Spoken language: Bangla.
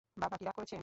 বাবা কি রাগ করেছে?